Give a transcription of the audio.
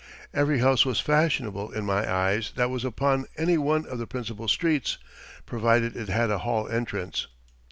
Every house was fashionable in my eyes that was upon any one of the principal streets, provided it had a hall entrance.